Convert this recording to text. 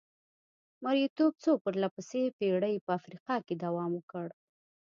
مریتوب څو پرله پسې پېړۍ په افریقا کې دوام وکړ.